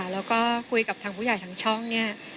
แล้วก็คุยกับทางผู้ใหญ่ทางช่องเนี่ย